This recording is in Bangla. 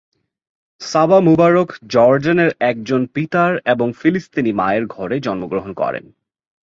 সাবা মুবারক জর্ডানের একজন পিতার এবং ফিলিস্তিনি মায়ের ঘরে জন্মগ্রহণ করেন।